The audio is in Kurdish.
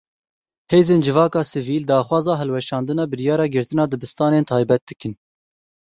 Hêzên Civaka Sivîl daxwaza hilweşandina biryara girtina dibistanên taybet dikin.